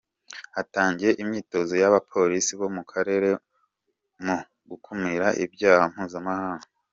Hatangiye imyitozo y’abapolisi bo mu karere mu gukumira ibyaha mpuzamahanga.